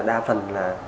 đa phần là